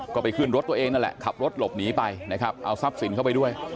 ก็ไปขึ้นรถตัวเองนั่นแหละขับรถหลบหนีไปนะครับเอาทรัพย์สินเข้าไปด้วย